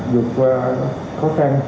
dụt qua khó khăn